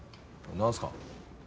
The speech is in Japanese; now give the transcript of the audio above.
何すか？